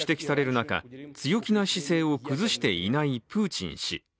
中強気な姿勢を崩していないプーチン氏。